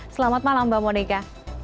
selamat malam mbak monika